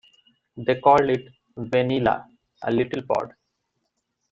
They called it "vainilla", or "little pod".